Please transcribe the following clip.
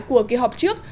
của kỳ họp trước